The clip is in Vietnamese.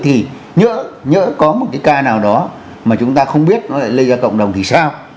thì có một cái ca nào đó mà chúng ta không biết nó lại lây ra cộng đồng thì sao